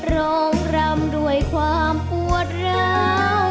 รองรำด้วยความปวดเหล้า